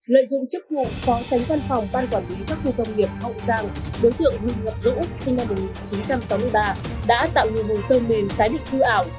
lợi dụng chức vụ phó tránh văn phòng ban quản lý các khu công nghiệp hậu giang đối tượng huỳnh ngọc dũng sinh năm một nghìn chín trăm sáu mươi ba đã tạo nguồn hồ sơ mềm tái định cư ảo